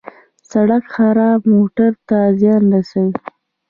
سړک خراب موټر ته زیان رسوي.